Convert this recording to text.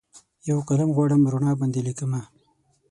یوقلم غواړم روڼا باندې لیکمه